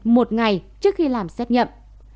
một ngày trước khi làm xét nghiệm